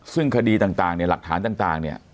ซึ่งคดีต่างเนี่ยหลักฐานต่างเนี่ย